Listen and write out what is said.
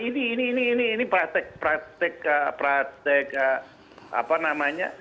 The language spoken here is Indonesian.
ini ini ini ini ini praktek praktek apa namanya